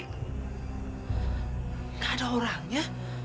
gak ada orangnya